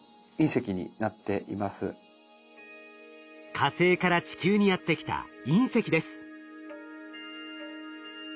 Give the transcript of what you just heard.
火星から地球にやってきた隕石です。